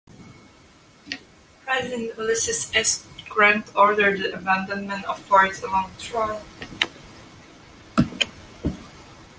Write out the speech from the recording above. President Ulysses S. Grant ordered the abandonment of forts along the trail.